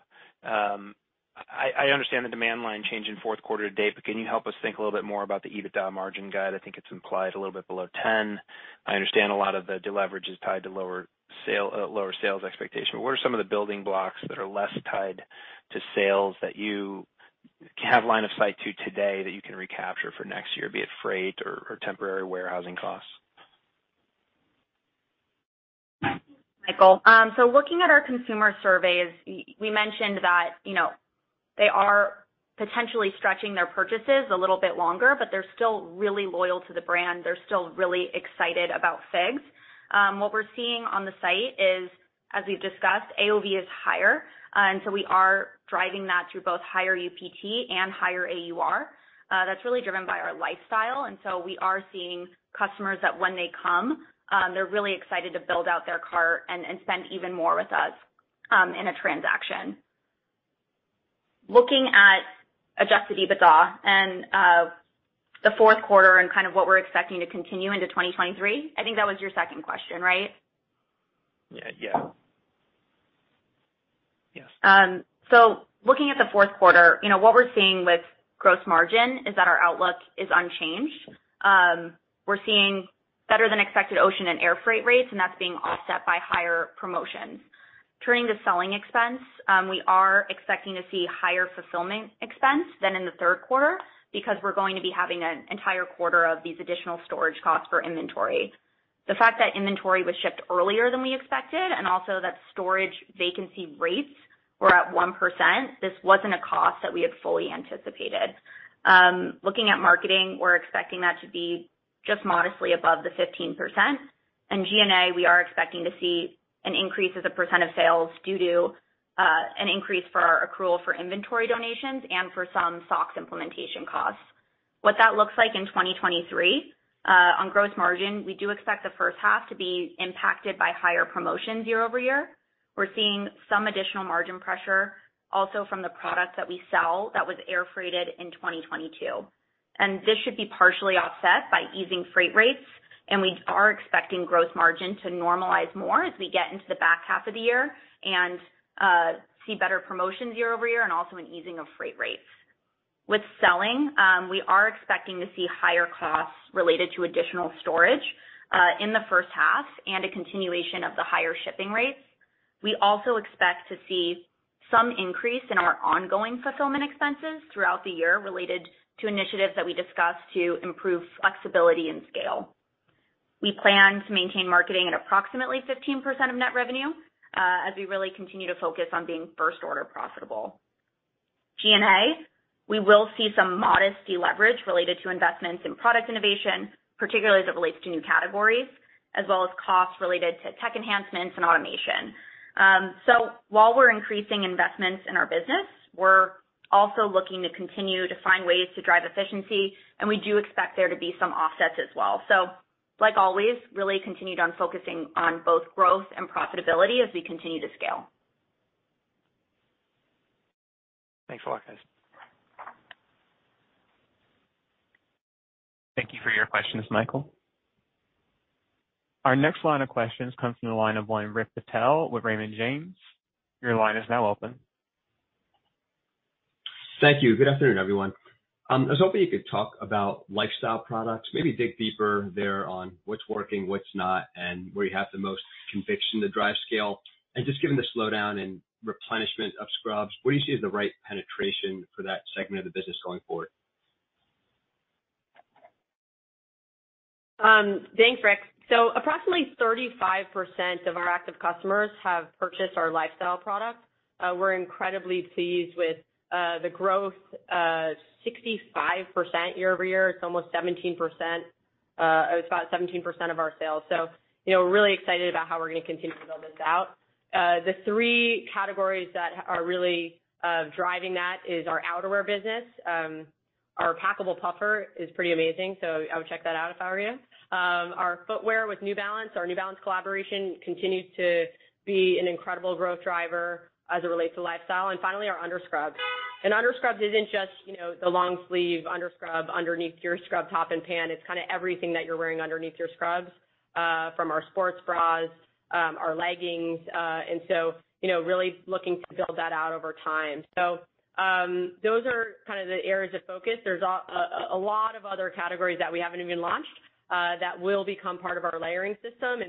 I understand the demand line change in fourth quarter to date, but can you help us think a little bit more about the EBITDA margin guide? I think it's implied a little bit below 10%. I understand a lot of the deleverage is tied to lower sales expectation. What are some of the building blocks that are less tied to sales that you have line of sight to today that you can recapture for next year, be it freight or temporary warehousing costs? Michael, so looking at our consumer surveys, we mentioned that, you know, they are potentially stretching their purchases a little bit longer, but they're still really loyal to the brand. They're still really excited about FIGS. What we're seeing on the site is, as we've discussed, AOV is higher. We are driving that through both higher UPT and higher AUR. That's really driven by our lifestyle, and so we are seeing customers that when they come, they're really excited to build out their cart and spend even more with us in a transaction. Looking at adjusted EBITDA and the fourth quarter and kind of what we're expecting to continue into 2023. I think that was your second question, right? Yeah. Yes. Looking at the fourth quarter, you know, what we're seeing with gross margin is that our outlook is unchanged. We're seeing better than expected ocean and air freight rates, and that's being offset by higher promotions. Turning to selling expense, we are expecting to see higher fulfillment expense than in the third quarter because we're going to be having an entire quarter of these additional storage costs for inventory. The fact that inventory was shipped earlier than we expected, and also that storage vacancy rates were at 1%, this wasn't a cost that we had fully anticipated. Looking at marketing, we're expecting that to be just modestly above the 15%. In G&A, we are expecting to see an increase as a percent of sales due to an increase for our accrual for inventory donations and for some SOX implementation costs. What that looks like in 2023, on gross margin, we do expect the first half to be impacted by higher promotions year-over-year. We're seeing some additional margin pressure also from the product that we sell that was air freighted in 2022. This should be partially offset by easing freight rates, and we are expecting gross margin to normalize more as we get into the back half of the year and see better promotions year-over-year and also an easing of freight rates. With selling, we are expecting to see higher costs related to additional storage in the first half and a continuation of the higher shipping rates. We also expect to see some increase in our ongoing fulfillment expenses throughout the year related to initiatives that we discussed to improve flexibility and scale. We plan to maintain marketing at approximately 15% of net revenue, as we really continue to focus on being first order profitable. G&A, we will see some modest deleverage related to investments in product innovation, particularly as it relates to new categories, as well as costs related to tech enhancements and automation. While we're increasing investments in our business, we're also looking to continue to find ways to drive efficiency, and we do expect there to be some offsets as well. Like always, really continued on focusing on both growth and profitability as we continue to scale. Thanks a lot, guys. Thank you for your questions, Michael. Our next line of questions comes from the line of Rick Patel with Raymond James. Your line is now open. Thank you. Good afternoon, everyone. I was hoping you could talk about lifestyle products, maybe dig deeper there on what's working, what's not, and where you have the most conviction to drive scale. Just given the slowdown and replenishment of scrubs, what do you see as the right penetration for that segment of the business going forward? Thanks, Rick. Approximately 35% of our active customers have purchased our lifestyle products. We're incredibly pleased with the growth, 65% year-over-year. It's almost 17%. It's about 17% of our sales. You know, really excited about how we're gonna continue to build this out. The three categories that are really driving that is our outerwear business. Our packable puffer is pretty amazing, so I would check that out if I were you. Our footwear with New Balance. Our New Balance collaboration continues to be an incredible growth driver as it relates to lifestyle and finally, our underscrubs. Underscrubs isn't just, you know, the long sleeve underscrub underneath your scrub top and pant. It's kinda everything that you're wearing underneath your scrubs, from our sports bras, our leggings. You know, really looking to build that out over time. Those are kind of the areas of focus. There's a lot of other categories that we haven't even launched that will become part of our layering system.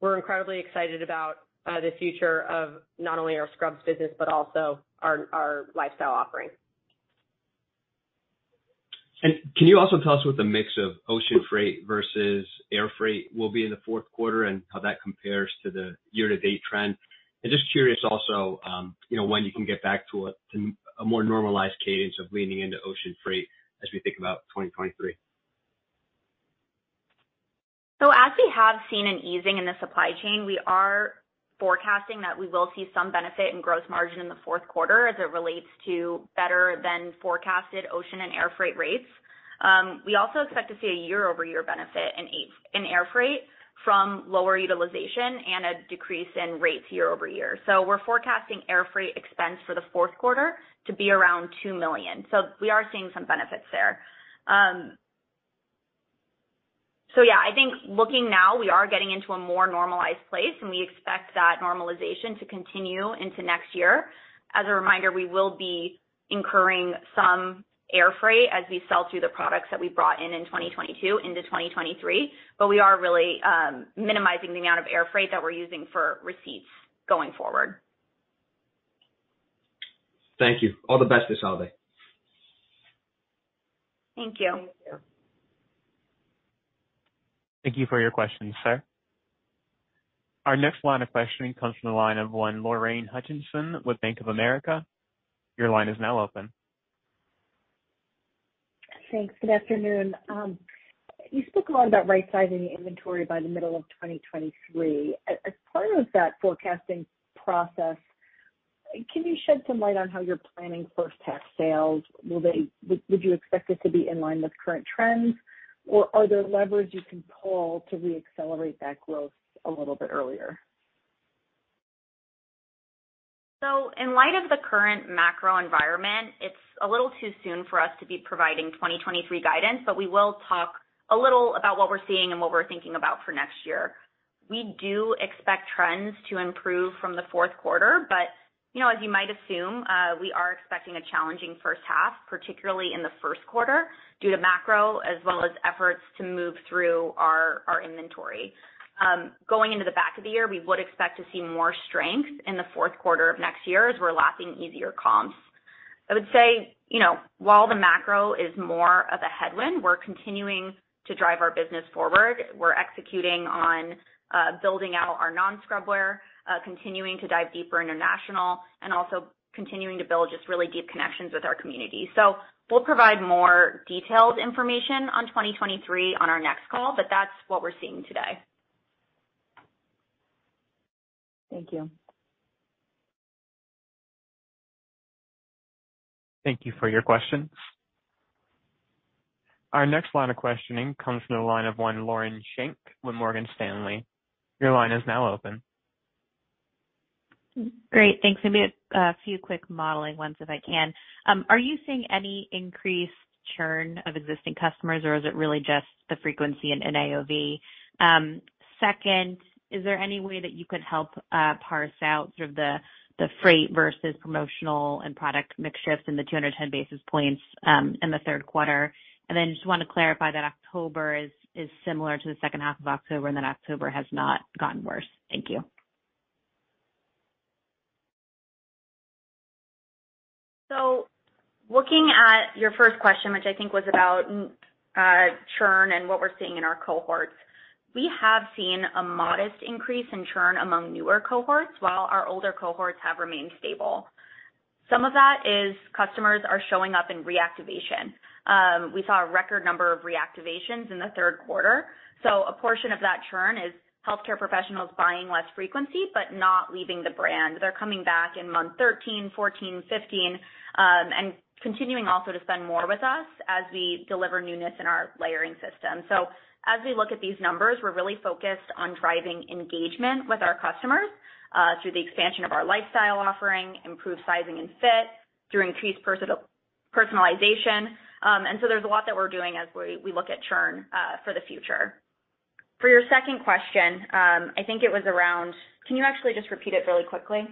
We're incredibly excited about the future of not only our scrubs business but also our lifestyle offerings. Can you also tell us what the mix of ocean freight versus air freight will be in the fourth quarter and how that compares to the year-to-date trend? Just curious also, you know, when you can get back to a more normalized cadence of leaning into ocean freight as we think about 2023. As we have seen an easing in the supply chain, we are forecasting that we will see some benefit in gross margin in the fourth quarter as it relates to better than forecasted ocean and air freight rates. We also expect to see a year-over-year benefit in air freight from lower utilization and a decrease in rates year-over-year. We're forecasting air freight expense for the fourth quarter to be around $2 million. We are seeing some benefits there. Yeah, I think looking now, we are getting into a more normalized place, and we expect that normalization to continue into next year. As a reminder, we will be incurring some air freight as we sell through the products that we brought in in 2022 into 2023. We are really minimizing the amount of air freight that we're using for receipts going forward. Thank you. All the best this holiday. Thank you. Thank you for your questions, sir. Our next line of questioning comes from the line of Lorraine Hutchinson with Bank of America. Your line is now open. Thanks. Good afternoon. You spoke a lot about right-sizing the inventory by the middle of 2023. As part of that forecasting process, can you shed some light on how you're planning first half sales? Would you expect it to be in line with current trends or are there levers you can pull to re-accelerate that growth a little bit earlier? In light of the current macro environment, it's a little too soon for us to be providing 2023 guidance, but we will talk a little about what we're seeing and what we're thinking about for next year. We do expect trends to improve from the fourth quarter, but you know, as you might assume, we are expecting a challenging first half, particularly in the first quarter, due to macro as well as efforts to move through our inventory. Going into the back half of the year, we would expect to see more strength in the fourth quarter of next year as we're lapping easier comps. I would say, you know, while the macro is more of a headwind, we're continuing to drive our business forward. We're executing on building out our non-scrub wear, continuing to dive deeper international, and also continuing to build just really deep connections with our community. We'll provide more detailed information on 2023 on our next call, but that's what we're seeing today. Thank you. Thank you for your questions. Our next line of questioning comes from the line of one Lauren Schenk with Morgan Stanley. Your line is now open. Great. Thanks. I have a few quick modeling ones, if I can. Are you seeing any increased churn of existing customers, or is it really just the frequency in AOV? Second, is there any way that you could help parse out sort of the freight versus promotional and product mix shifts in the 210 basis points in the third quarter? Just wanna clarify that October is similar to the second half of October, and then October has not gotten worse. Thank you. Looking at your first question, which I think was about churn and what we're seeing in our cohorts, we have seen a modest increase in churn among newer cohorts while our older cohorts have remained stable. Some of that is customers are showing up in reactivation. We saw a record number of reactivations in the third quarter. So a portion of that churn is healthcare professionals buying less frequency but not leaving the brand. They're coming back in month 13, 14, 15, and continuing also to spend more with us as we deliver newness in our layering system. As we look at these numbers, we're really focused on driving engagement with our customers. Through the expansion of our lifestyle offering, improved sizing and fit, through increased personalization. There's a lot that we're doing as we look at churn for the future. For your second question, I think it was around. Can you actually just repeat it really quickly?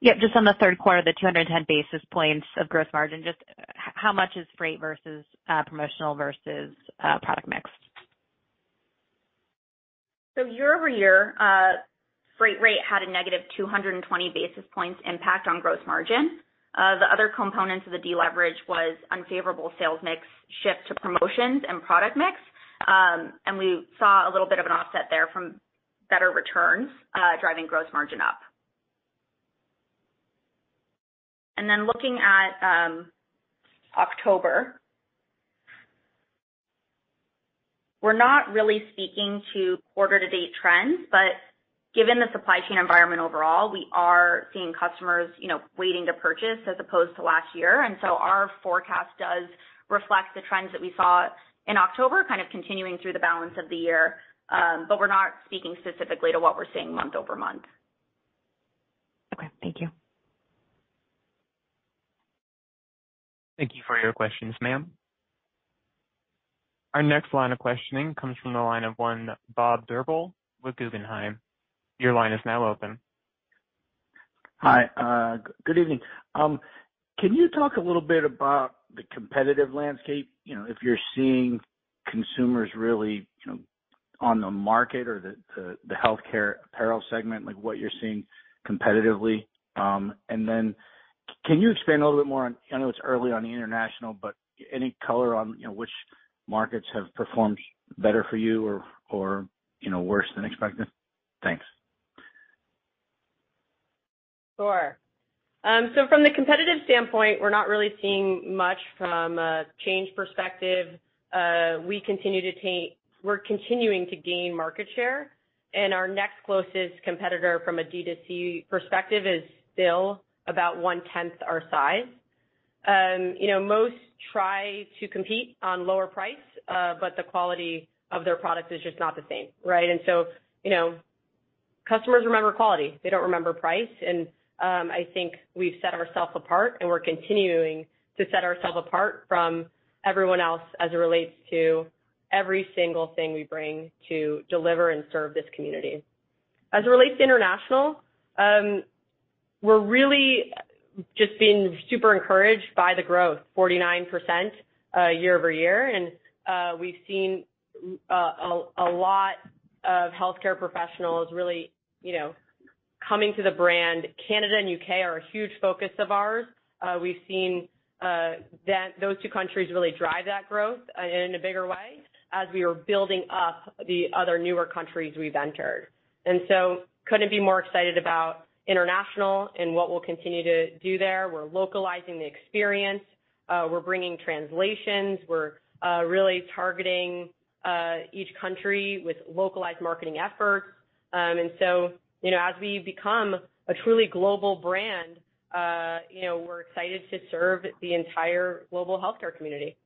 Yep. Just on the third quarter, the 210 basis points of gross margin, just how much is freight versus promotional versus product mix? Year-over-year, freight rate had a negative 200 basis points impact on gross margin. The other components of the deleverage was unfavorable sales mix shift to promotions and product mix. We saw a little bit of an offset there from better returns, driving gross margin up. Looking at October, we're not really speaking to quarter-to-date trends, but given the supply chain environment overall, we are seeing customers, you know, waiting to purchase as opposed to last year. Our forecast does reflect the trends that we saw in October, kind of continuing through the balance of the year. We're not speaking specifically to what we're seeing month-over-month. Okay. Thank you. Thank you for your questions, ma'am. Our next line of questioning comes from the line of one Bob Drbul with Guggenheim. Your line is now open. Hi. Good evening. Can you talk a little bit about the competitive landscape, you know, if you're seeing consumers really, you know, on the market or the healthcare apparel segment, like what you're seeing competitively? Can you expand a little bit more on, I know it's early on the international, but any color on, you know, which markets have performed better for you or you know, worse than expected? Thanks. Sure. From the competitive standpoint, we're not really seeing much from a change perspective. We're continuing to gain market share, and our next closest competitor from a D2C perspective is still about one-tenth our size. You know, most try to compete on lower price, but the quality of their product is just not the same, right? Customers remember quality, they don't remember price. I think we've set ourselves apart, and we're continuing to set ourselves apart from everyone else as it relates to every single thing we bring to deliver and serve this community. As it relates to international, we're really just being super encouraged by the growth, 49%, year-over-year. We've seen a lot of healthcare professionals really, you know, coming to the brand. Canada and U.K. are a huge focus of ours. We've seen that those two countries really drive that growth in a bigger way as we are building up the other newer countries we've entered. Couldn't be more excited about international and what we'll continue to do there. We're localizing the experience. We're bringing translations. We're really targeting each country with localized marketing efforts. You know, as we become a truly global brand, you know, we're excited to serve the entire global healthcare community.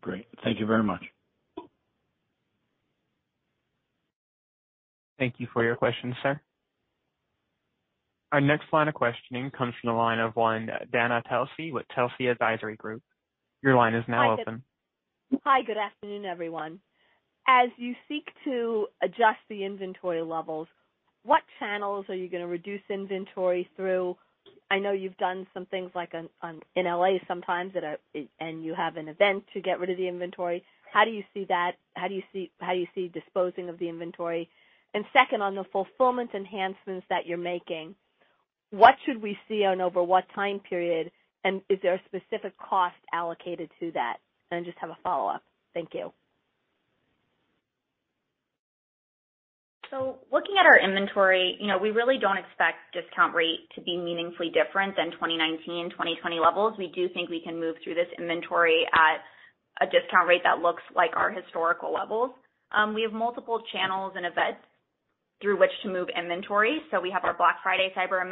Great. Thank you very much. Thank you for your question, sir. Our next line of questioning comes from the line of one Dana Telsey with Telsey Advisory Group. Your line is now open. Hi, good afternoon, everyone. As you seek to adjust the inventory levels, what channels are you gonna reduce inventory through? I know you've done some things in L.A. sometimes, and you have an event to get rid of the inventory. How do you see that? How do you see disposing of the inventory? Second, on the fulfillment enhancements that you're making, what should we see and over what time period, and is there a specific cost allocated to that? I just have a follow-up. Thank you. Looking at our inventory, you know, we really don't expect discount rate to be meaningfully different than 2019, 2020 levels. We do think we can move through this inventory at a discount rate that looks like our historical levels. We have multiple channels and events through which to move inventory. We have our Black Friday, Cyber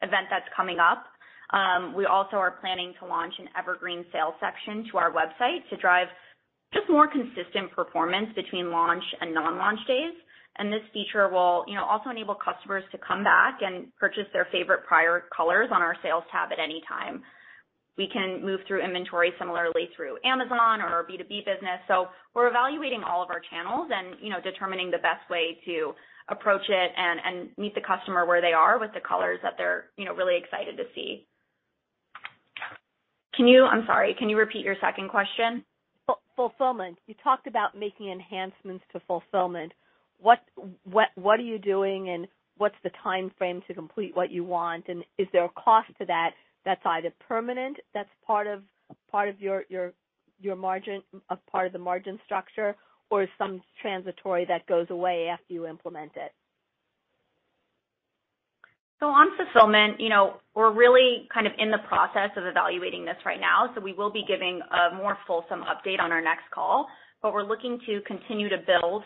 Monday event that's coming up. We also are planning to launch an evergreen sales section to our website to drive just more consistent performance between launch and non-launch days. This feature will, you know, also enable customers to come back and purchase their favorite prior colors on our sales tab at any time. We can move through inventory similarly through Amazon or our B2B business. We're evaluating all of our channels and, you know, determining the best way to approach it and meet the customer where they are with the colors that they're, you know, really excited to see. I'm sorry. Can you repeat your second question? Fulfillment. You talked about making enhancements to fulfillment. What are you doing, and what's the timeframe to complete what you want? Is there a cost to that that's either permanent, that's part of your margin, a part of the margin structure, or some transitory that goes away after you implement it? On fulfillment, you know, we're really kind of in the process of evaluating this right now. We will be giving a more fulsome update on our next call. We're looking to continue to build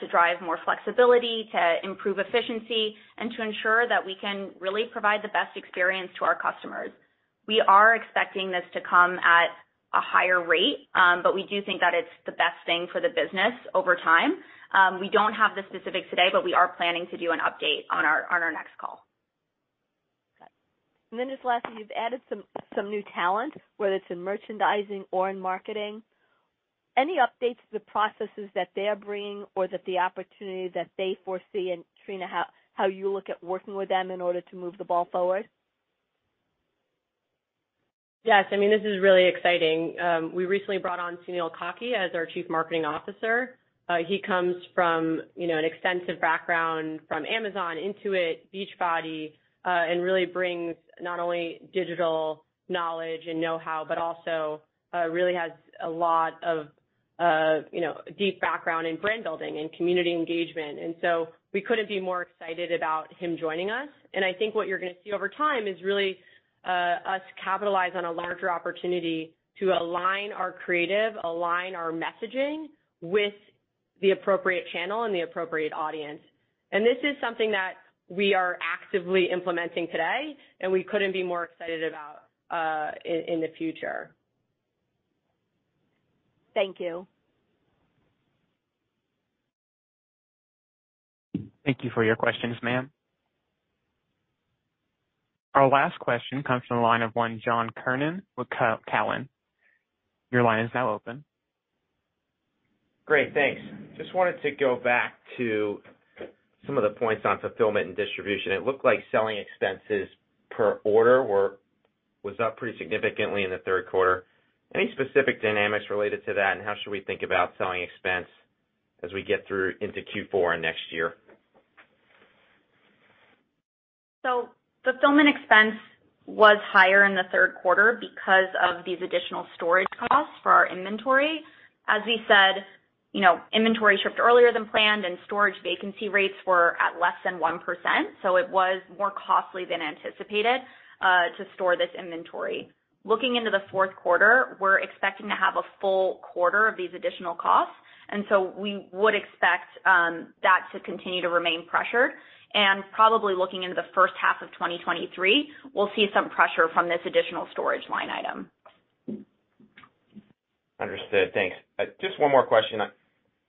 to drive more flexibility, to improve efficiency, and to ensure that we can really provide the best experience to our customers. We are expecting this to come at a higher rate, but we do think that it's the best thing for the business over time. We don't have the specifics today, but we are planning to do an update on our next call. Okay. Just lastly, you've added some new talent, whether it's in merchandising or in marketing. Any updates to the processes that they're bringing or the opportunity that they foresee, and Trina, how you look at working with them in order to move the ball forward? Yes. I mean, this is really exciting. We recently brought on Sunil Kaki as our chief marketing officer. He comes from, you know, an extensive background from Amazon, Intuit, Beachbody, and really brings not only digital knowledge and know-how, but also really has a lot of, you know, deep background in brand building and community engagement. We couldn't be more excited about him joining us. I think what you're gonna see over time is really us capitalize on a larger opportunity to align our creative, align our messaging with the appropriate channel and the appropriate audience. This is something that we are actively implementing today, and we couldn't be more excited about in the future. Thank you. Thank you for your questions, ma'am. Our last question comes from the line of John Kernan with Cowen. Your line is now open. Great, thanks. Just wanted to go back to some of the points on fulfillment and distribution. It looked like selling expenses per order was up pretty significantly in the third quarter. Any specific dynamics related to that, and how should we think about selling expense as we get through into Q4 next year? Fulfillment expense was higher in the third quarter because of these additional storage costs for our inventory. As we said, you know, inventory shipped earlier than planned, and storage vacancy rates were at less than 1%, so it was more costly than anticipated to store this inventory. Looking into the fourth quarter, we're expecting to have a full quarter of these additional costs, and so we would expect that to continue to remain pressured. Probably looking into the first half of 2023, we'll see some pressure from this additional storage line item. Understood. Thanks. Just one more question.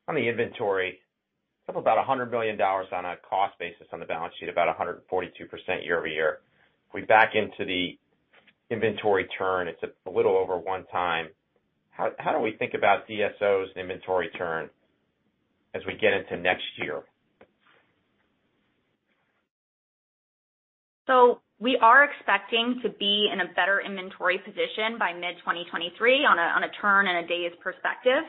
On the inventory, it's up about $100 million on a cost basis on the balance sheet, about 142% year-over-year. If we back into the inventory turn, it's a little over 1 time. How do we think about DSOs and inventory turn as we get into next year? We are expecting to be in a better inventory position by mid-2023 on a turn and a days perspective.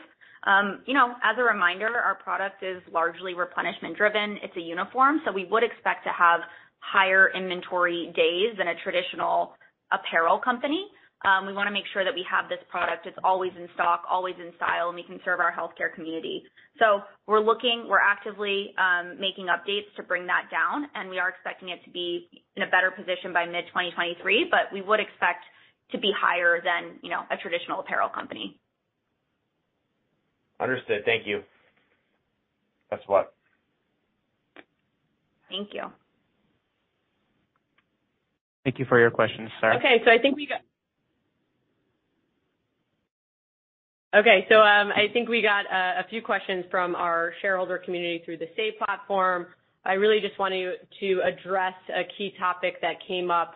You know, as a reminder, our product is largely replenishment driven. It's a uniform, so we would expect to have higher inventory days than a traditional apparel company. We wanna make sure that we have this product. It's always in stock, always in style, and we can serve our healthcare community. We're actively making updates to bring that down, and we are expecting it to be in a better position by mid-2023, but we would expect to be higher than, you know, a traditional apparel company. Understood. Thank you. That's what. Thank you. Thank you for your questions, sir. I think we got a few questions from our shareholder community through the Say platform. I really just want to address a key topic that came up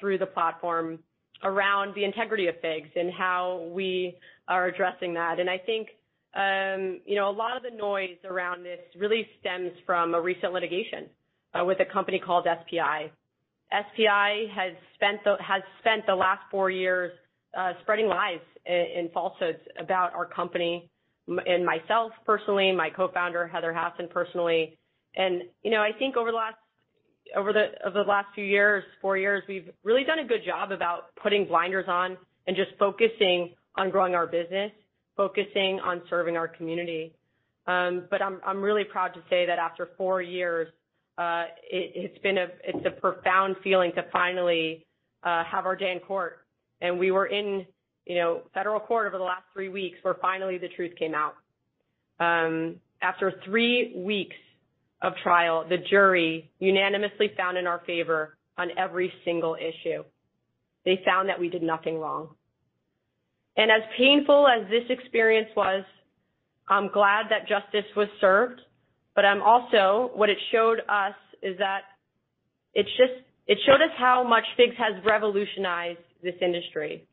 through the platform around the integrity of FIGS and how we are addressing that. I think you know, a lot of the noise around this really stems from a recent litigation with a company called SPI. SPI has spent the last four years spreading lies and falsehoods about our company and myself personally, my co-founder, Heather Hasson, personally. You know, I think over the last four years, we've really done a good job about putting blinders on and just focusing on growing our business, focusing on serving our community. I'm really proud to say that after four years, it's a profound feeling to finally have our day in court. We were in, you know, federal court over the last three weeks, where finally the truth came out. After three weeks of trial, the jury unanimously found in our favor on every single issue. They found that we did nothing wrong. As painful as this experience was, I'm glad that justice was served. I'm also what it showed us is that it's just. It showed us how much FIGS has revolutionized this industry,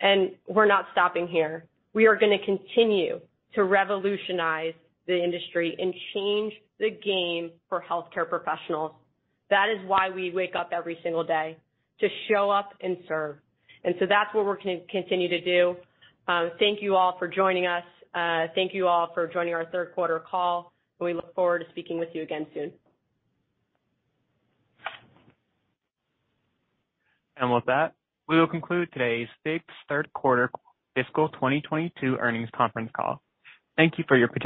and we're not stopping here. We are gonna continue to revolutionize the industry and change the game for healthcare professionals. That is why we wake up every single day, to show up and serve. That's what we're continuing to do. Thank you all for joining us. Thank you all for joining our third quarter call. We look forward to speaking with you again soon. With that, we will conclude today's FIGS third quarter fiscal 2022 earnings conference call. Thank you for your participation.